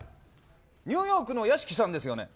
ニューヨークの屋敷さんですよね。